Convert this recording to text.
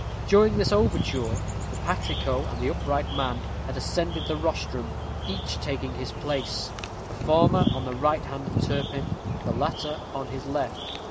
During this overture the patrico and the upright man had ascended the rostrum, each taking his place; the former on the right hand of Turpin, the latter upon his left.